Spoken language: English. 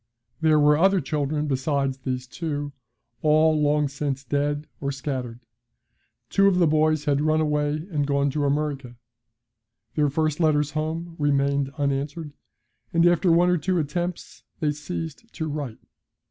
There were other children besides these two, all long since dead or scattered. Two of the boys had run away and gone to America; their first letters home remained unanswered, and after one or two attempts they ceased to write.